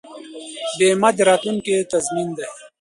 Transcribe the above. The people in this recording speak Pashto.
بیمه د راتلونکي تضمین دی.